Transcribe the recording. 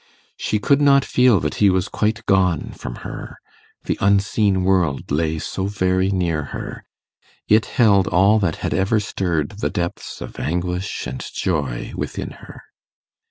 She could not feel that he was quite gone from her; the unseen world lay so very near her it held all that had ever stirred the depths of anguish and joy within her.